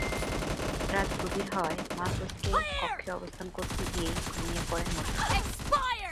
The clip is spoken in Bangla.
রাত গভীর হওয়ায় মাহফুজকে কক্ষে অবস্থান করতে দিয়েই ঘুমিয়ে পড়েন মোশারফ।